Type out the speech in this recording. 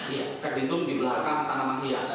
iya tergantung di belakang tanaman hias